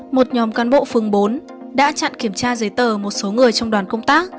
một nhóm cán bộ phường bốn đã chặn kiểm tra giấy tờ một số người trong đoàn công tác